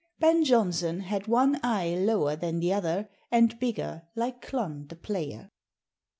Ben Jonson had one eie lower than t'other and bigger, like Clun, the player."